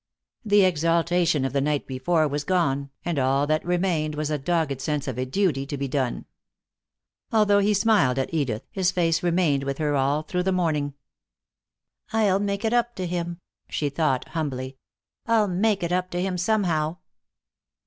The exaltation of the night before was gone, and all that remained was a dogged sense of a duty to be done. Although he smiled at Edith, his face remained with her all through the morning. "I'll make it up to him," she thought, humbly. "I'll make it up to him somehow."